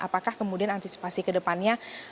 apakah kemudian antisipasi kedepannya